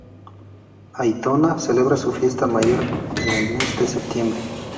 Aitona celebra su fiesta mayor en el mes de septiembre.